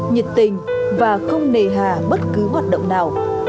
nhiệt tình và không nề hà bất cứ hoạt động nào